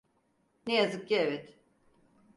Ne yazık ki evet.